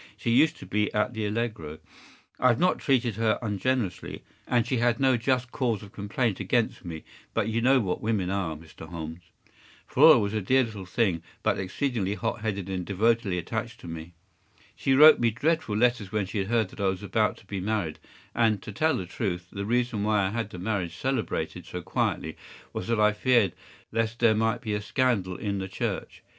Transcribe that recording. She used to be at the ‘Allegro.’ I have not treated her ungenerously, and she has no just cause of complaint against me; but you know what women are, Mr. Holmes. Flora was a dear little thing, but exceedingly hot headed, and devotedly attached to me. She wrote me dreadful letters when she heard that I was about to be married; and, to tell the truth, the reason why I had the marriage celebrated so quietly was that I feared lest there might be a scandal in the church.